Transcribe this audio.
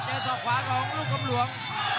ศอกขวาของลูกกำหลวง